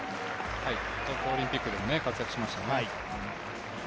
東京オリンピックでも活躍しましたね。